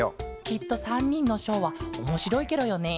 きっと３にんのショーはおもしろいケロよね。